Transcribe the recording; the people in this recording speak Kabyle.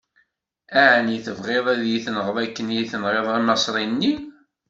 Ɛni tebɣiḍ ad yi-tenɣeḍ akken i tenɣiḍ Amaṣri-nni?